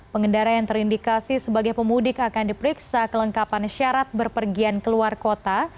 pengendara yang terindikasi sebagai pemudik akan diperiksa kelengkapan syarat berpergian keluar kota